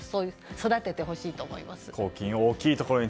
育ててほしいと思います。